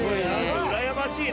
うらやましいね。